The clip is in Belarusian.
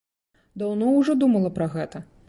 Даўно ўжо думала пра гэта?!